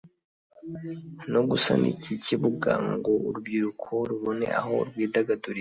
no gusana iki kibuga ngo urubyiruko rubone aho rwidagadurira